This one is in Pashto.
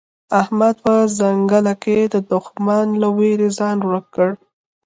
احمد په ځنګله کې د دوښمن له وېرې ځان ورک کړ.